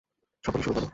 সকলে শুরু করো।